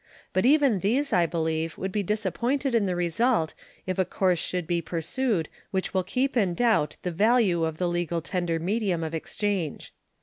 But even these, I believe, would be disappointed in the result if a course should be pursued which will keep in doubt the value of the legal tender medium of exchange.